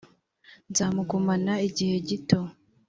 nzamugumana igihe gito